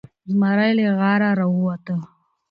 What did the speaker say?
زمری له غاره راووته.